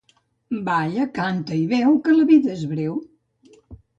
Balla, canta i beu, que la vida és breu.